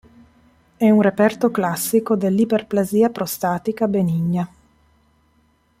È un reperto classico dell'Iperplasia prostatica benigna.